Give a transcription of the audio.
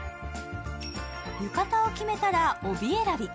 浴衣を決めたら、帯選び。